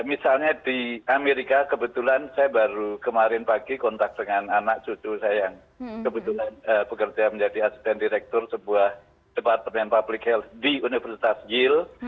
misalnya di amerika kebetulan saya baru kemarin pagi kontak dengan anak cucu saya yang kebetulan bekerja menjadi asisten direktur sebuah departemen public health di universitas yield